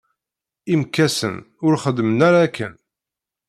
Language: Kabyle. Imekkasen, ur xeddmen ara akken?